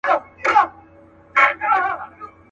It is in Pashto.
له خوار مجنونه پټه ده لیلا په کرنتین کي.